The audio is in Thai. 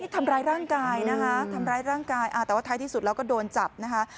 ทำร้ายร่างกายนะคะทำร้ายร่างกายแต่ว่าท้ายที่สุดแล้วก็โดนจับนะคะ